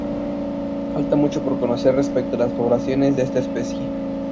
Falta mucho por conocer respecto a las poblaciones de esta especie.